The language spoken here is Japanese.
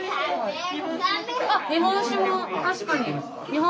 あっ日本酒も確かに。